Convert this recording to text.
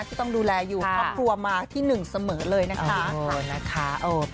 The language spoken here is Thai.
ที่ต้องดูแลอยู่ครอบครัวมาที่๑เสมอเลยนะคะ